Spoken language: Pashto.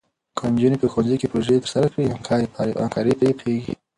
که نجونې په ښوونځي کې پروژې ترسره کړي، همکاري پراخېږي.